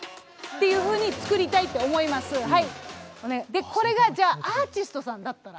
でこれがじゃあアーティストさんだったら。